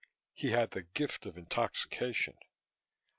_ He had the gift of intoxication.